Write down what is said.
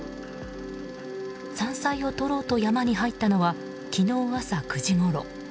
山菜を取ろうと山に入ったのは昨日朝９時ごろ。